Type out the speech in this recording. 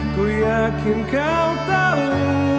ku yakin kau tahu